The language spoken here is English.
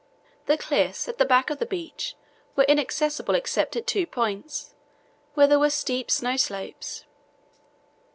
The cliffs at the back of the beach were inaccessible except at two points where there were steep snow slopes.